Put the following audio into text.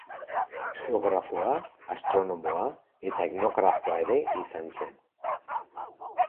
Geografoa, astronomoa eta etnografoa ere izan zen.